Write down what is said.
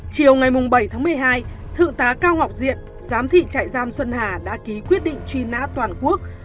chiều ngày bảy tháng một mươi hai thượng tá cao ngọc diện giám thị trại giam xuân hà đã ký quyết định truy nã toàn quốc